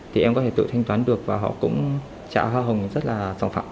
thì em có thể tự thanh toán được và họ cũng trả hoa hồng rất là sẵn phạm